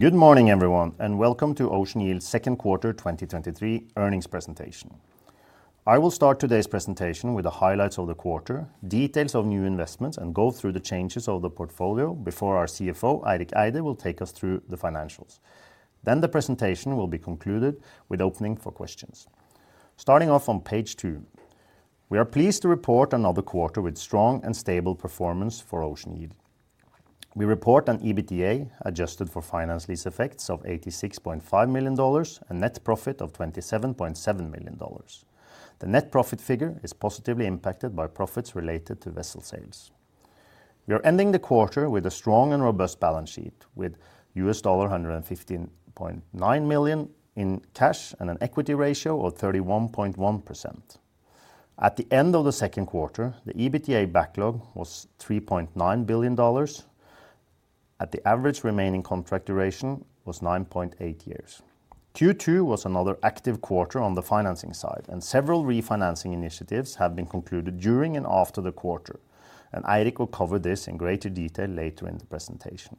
Good morning, everyone, and welcome to Ocean Yield's Q2 2023 earnings presentation. I will start today's presentation with the highlights of the quarter, details of new investments, and go through the changes of the portfolio before our CFO, Eirik Eide, will take us through the financials. Then the presentation will be concluded with opening for questions. Starting off on page 2, we are pleased to report another quarter with strong and stable performance for Ocean Yield. We report an EBITDA adjusted for finance lease effects of $86.5 million and net profit of $27.7 million. The net profit figure is positively impacted by profits related to vessel sales. We are ending the quarter with a strong and robust balance sheet, with $115.9 million in cash and an equity ratio of 31.1%. At the end of the Q2, the EBITDA backlog was $3.9 billion, and the average remaining contract duration was 9.8 years. Q2 was another active quarter on the financing side, and several refinancing initiatives have been concluded during and after the quarter, and Eirik will cover this in greater detail later in the presentation.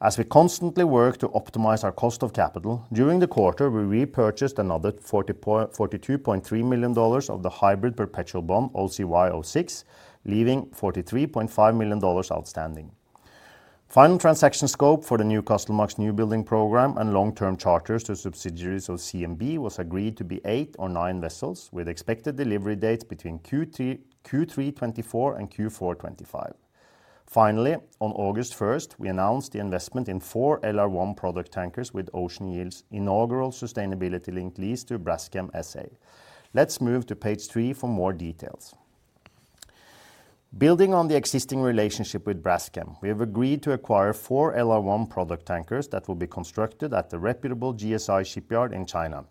As we constantly work to optimize our cost of capital, during the quarter, we repurchased another $42.3 million of the hybrid perpetual bond, OCY06, leaving $43.5 million outstanding. Final transaction scope for the Newcastlemax newbuilding program and long-term charters to subsidiaries of CMB was agreed to be 8 or 9 vessels, with expected delivery dates between Q3 2024 and Q4 2025. Finally, on August 1, we announced the investment in four LR1 product tankers with Ocean Yield's inaugural sustainability-linked lease to Braskem S.A. Let's move to page 3 for more details. Building on the existing relationship with Braskem, we have agreed to acquire four LR1 product tankers that will be constructed at the reputable GSI shipyard in China.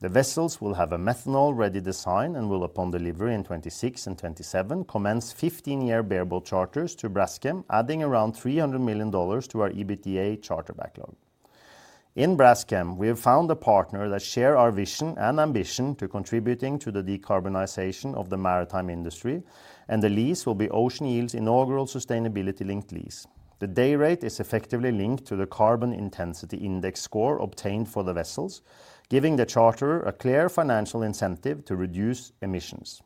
The vessels will have a methanol-ready design and will, upon delivery in 2026 and 2027, commence 15-year bareboat charters to Braskem, adding around $300 million to our EBITDA charter backlog. In Braskem, we have found a partner that share our vision and ambition to contributing to the decarbonization of the maritime industry, and the lease will be Ocean Yield's inaugural sustainability-linked lease. The day rate is effectively linked to the Carbon Intensity Index score obtained for the vessels, giving the charterer a clear financial incentive to reduce emissions.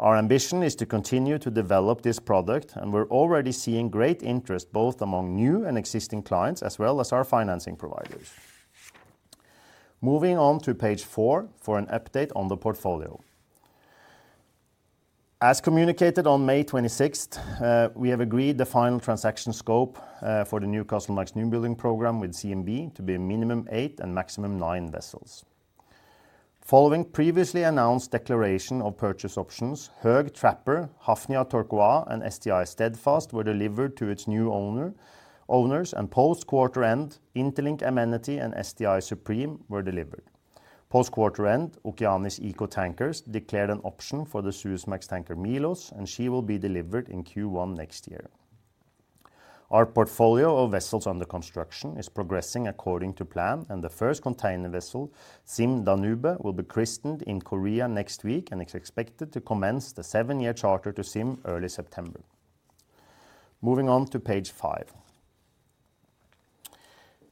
Our ambition is to continue to develop this product, and we're already seeing great interest, both among new and existing clients, as well as our financing providers. Moving on to page four for an update on the portfolio. As communicated on May 26th, we have agreed the final transaction scope for the Newcastlemax new building program with CMB to be a minimum 8 and maximum 9 vessels. Following previously announced declaration of purchase options, Höegh Trapper, Hafnia Turquoise, and STI Steadfast were delivered to its new owner, owners, and post-quarter end, Interlink Amenity and STI Supreme were delivered. Post-quarter end, Okeanis Eco Tankers declared an option for the Suezmax tanker, Milos, and she will be delivered in Q1 next year. Our portfolio of vessels under construction is progressing according to plan, and the first container vessel, ZIM Danube, will be christened in Korea next week and is expected to commence the 7-year charter to ZIM early September. Moving on to page five.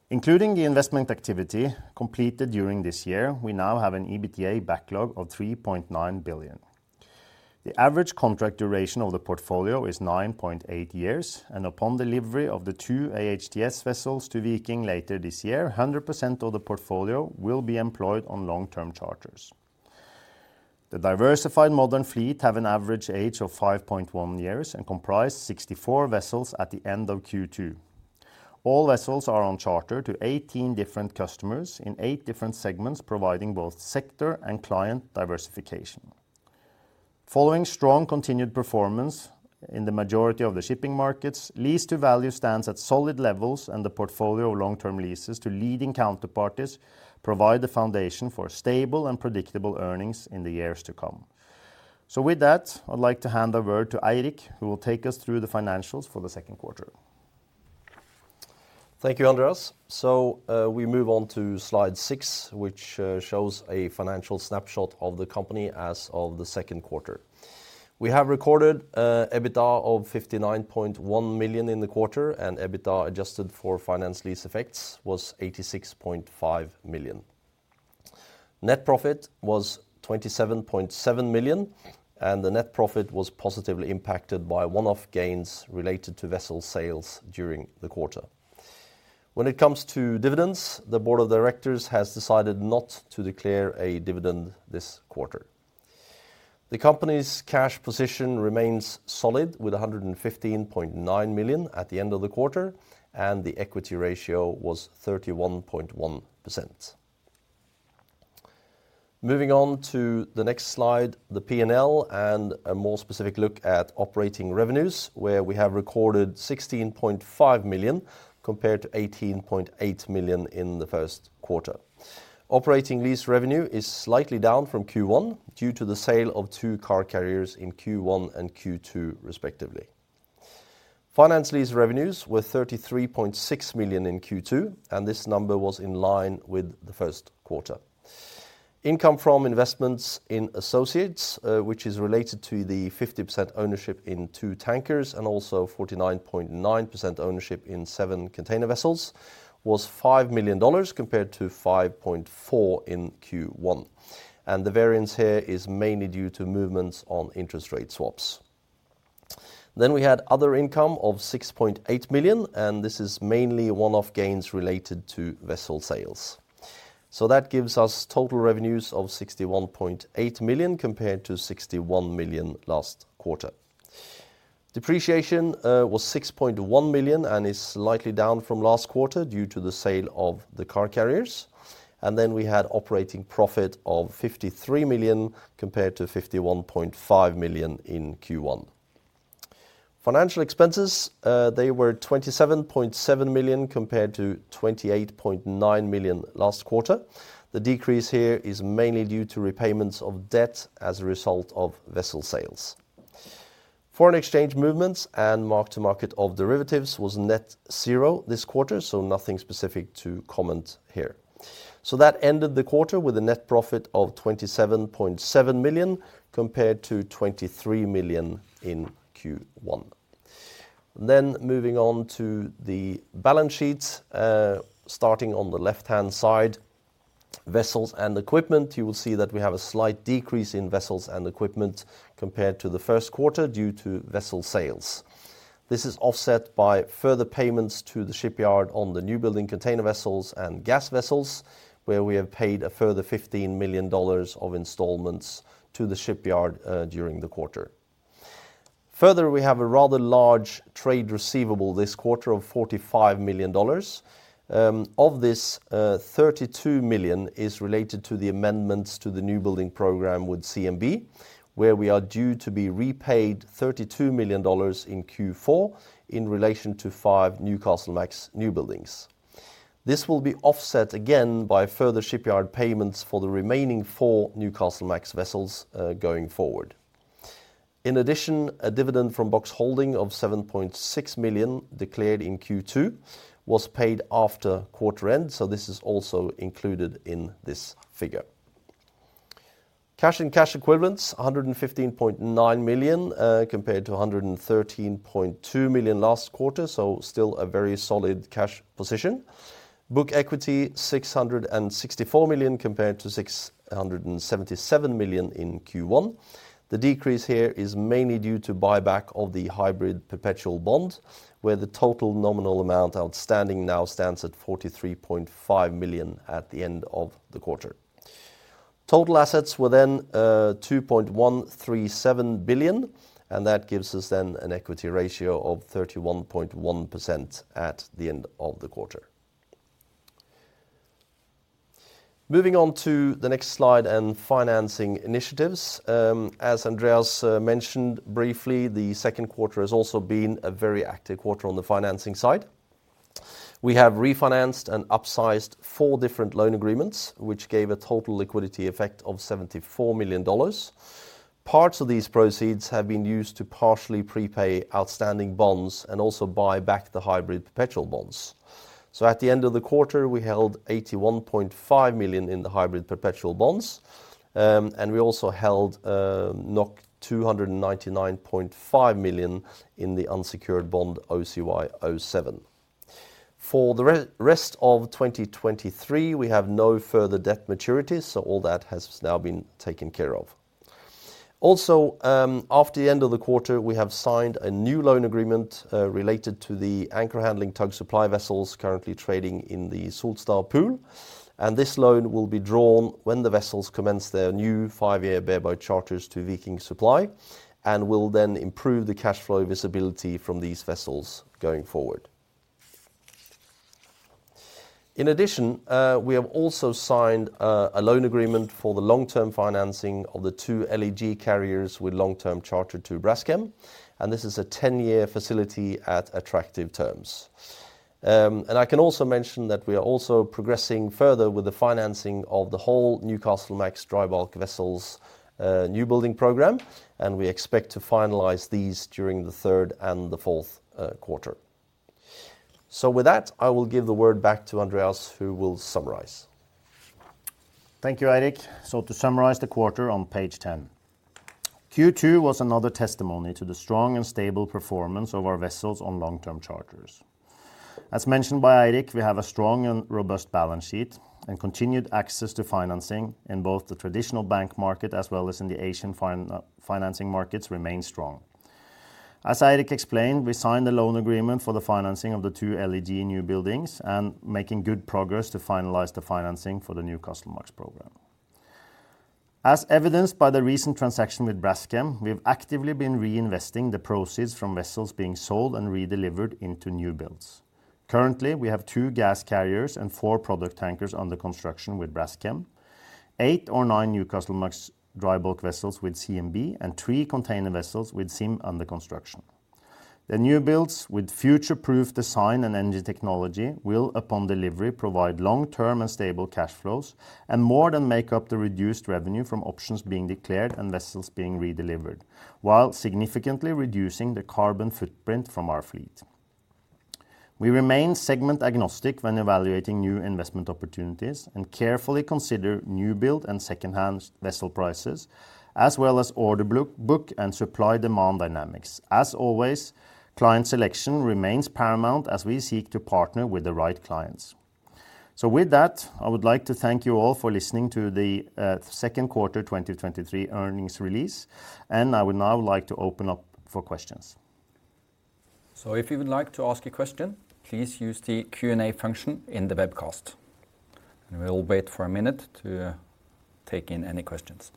Including the investment activity completed during this year, we now have an EBITDA backlog of $3.9 billion. The average contract duration of the portfolio is 9.8 years, and upon delivery of the 2 AHTS vessels to Viking later this year, 100% of the portfolio will be employed on long-term charters. The diversified modern fleet have an average age of 5.1 years and comprise 64 vessels at the end of Q2. All vessels are on charter to 18 different customers in 8 different segments, providing both sector and client diversification. Following strong continued performance in the majority of the shipping markets, lease to value stands at solid levels, and the portfolio of long-term leases to leading counterparties provide the foundation for stable and predictable earnings in the years to come. With that, I'd like to hand over to Eirik, who will take us through the financials for the Q2. Thank you, Andreas. So, we move on to slide 6, which shows a financial snapshot of the company as of the Q2. We have recorded EBITDA of $59.1 million in the quarter, and EBITDA, adjusted for finance lease effects, was $86.5 million. Net profit was $27.7 million, and the net profit was positively impacted by one-off gains related to vessel sales during the quarter. When it comes to dividends, the board of directors has decided not to declare a dividend this quarter. The company's cash position remains solid, with $115.9 million at the end of the quarter, and the equity ratio was 31.1%. Moving on to the next slide, the P&L, and a more specific look at operating revenues, where we have recorded $16.5 million compared to $18.8 million in the Q1. Operating lease revenue is slightly down from Q1 due to the sale of two car carriers in Q1 and Q2 respectively. Finance lease revenues were $33.6 million in Q2, and this number was in line with the Q1. Income from investments in associates, which is related to the 50% ownership in two tankers and also 49.9% ownership in seven container vessels, was $5 million compared to $5.4 million in Q1. The variance here is mainly due to movements on interest rate swaps. We had other income of $6.8 million, and this is mainly one-off gains related to vessel sales. So that gives us total revenues of $61.8 million, compared to $61 million last quarter. Depreciation was $6.1 million and is slightly down from last quarter due to the sale of the car carriers. Then we had operating profit of $53 million, compared to $51.5 million in Q1. Financial expenses, they were $27.7 million compared to $28.9 million last quarter. The decrease here is mainly due to repayments of debt as a result of vessel sales. Foreign exchange movements and mark-to-market of derivatives was net zero this quarter, so nothing specific to comment here. So that ended the quarter with a net profit of $27.7 million, compared to $23 million in Q1. Then moving on to the balance sheet, starting on the left-hand side, vessels and equipment, you will see that we have a slight decrease in vessels and equipment compared to the Q1 due to vessel sales. This is offset by further payments to the shipyard on the newbuilding container vessels and gas vessels, where we have paid a further $15 million of installments to the shipyard during the quarter. Further, we have a rather large trade receivable this quarter of $45 million. Of this, $32 million is related to the amendments to the newbuilding program with CMB, where we are due to be repaid $32 million in Q4 in relation to 5 Newcastlemax newbuildings. This will be offset again by further shipyard payments for the remaining 4 Newcastlemax vessels going forward. In addition, a dividend from Box Holdings of $7.6 million declared in Q2 was paid after quarter end, so this is also included in this figure. Cash and cash equivalents, $115.9 million, compared to $113.2 million last quarter, so still a very solid cash position. Book equity, $664 million, compared to $677 million in Q1. The decrease here is mainly due to buyback of the hybrid perpetual bond, where the total nominal amount outstanding now stands at $43.5 million at the end of the quarter. Total assets were then, $2.137 billion, and that gives us then an equity ratio of 31.1% at the end of the quarter. Moving on to the next slide and financing initiatives. As Andreas mentioned briefly, the Q2 has also been a very active quarter on the financing side. We have refinanced and upsized four different loan agreements, which gave a total liquidity effect of $74 million. Parts of these proceeds have been used to partially prepay outstanding bonds and also buy back the hybrid perpetual bonds. So at the end of the quarter, we held $81.5 million in the hybrid perpetual bonds, and we also held 299.5 million in the unsecured bond, OCY07. For the rest of 2023, we have no further debt maturities, so all that has now been taken care of. Also, after the end of the quarter, we have signed a new loan agreement related to the anchor handling tug supply vessels currently trading in the Solstad pool. And this loan will be drawn when the vessels commence their new five-year bareboat charters to Viking Supply and will then improve the cash flow visibility from these vessels going forward. In addition, we have also signed a loan agreement for the long-term financing of the two LEG carriers with long-term charter to Braskem, and this is a 10-year facility at attractive terms. And I can also mention that we are also progressing further with the financing of the whole Newcastlemax dry bulk vessels newbuilding program, and we expect to finalize these during the third and the Q4. So with that, I will give the word back to Andreas, who will summarize. Thank you, Eirik. So to summarize the quarter on page 10. Q2 was another testimony to the strong and stable performance of our vessels on long-term charters. As mentioned by Eirik, we have a strong and robust balance sheet and continued access to financing in both the traditional bank market, as well as in the Asian financing markets remain strong. As Eirik explained, we signed a loan agreement for the financing of the two LEG newbuildings and making good progress to finalize the financing for the Newcastlemax program. As evidenced by the recent transaction with Braskem, we have actively been reinvesting the proceeds from vessels being sold and redelivered into new builds. Currently, we have two gas carriers and four product tankers under construction with Braskem, eight or nine Newcastlemax dry bulk vessels with CMB, and three container vessels with ZIM under construction. The new builds with future-proof design and energy technology will, upon delivery, provide long-term and stable cash flows and more than make up the reduced revenue from options being declared and vessels being redelivered, while significantly reducing the carbon footprint from our fleet. We remain segment agnostic when evaluating new investment opportunities and carefully consider new build and secondhand vessel prices, as well as order book and supply-demand dynamics. As always, client selection remains paramount as we seek to partner with the right clients. With that, I would like to thank you all for listening to the Q2 2023 earnings release, and I would now like to open up for questions. So if you would like to ask a question, please use the Q&A function in the webcast. We will wait for a minute to take in any questions.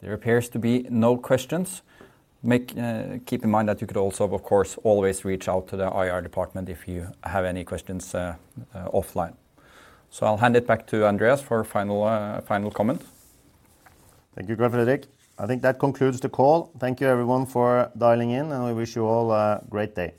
There appears to be no questions. Keep in mind that you could also, of course, always reach out to the IR department if you have any questions, offline. I'll hand it back to Andreas for final, final comment. Thank you, Fredrik. I think that concludes the call. Thank you, everyone, for dialing in, and we wish you all a great day.